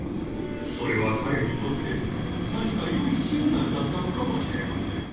それは彼にとって何かよいシグナルだったのかもしれません。